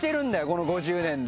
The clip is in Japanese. この５０年で。